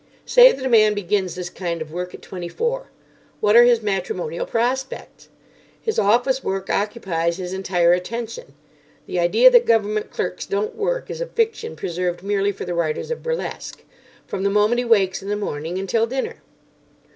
Say that a man begins this kind of work at twenty four. What are his matrimonial prospects? His office work occupies his entire attention (the idea that Government clerks don't work is a fiction preserved merely for the writers of burlesque) from the moment he wakes in the morning until dinner.